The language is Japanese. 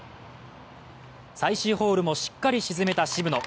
最終ホールも、しっかり沈めた渋野。